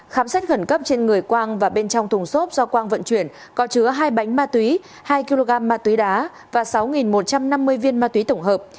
khám xét khẩn cấp trên người quang và bên trong thùng xốp do quang vận chuyển có chứa hai bánh ma túy hai kg ma túy đá và sáu một trăm năm mươi viên ma túy tổng hợp